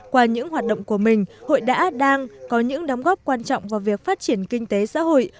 qua những hoạt động của mình hội đã đang có những đóng góp quan trọng vào việc phát triển kinh tế xã hội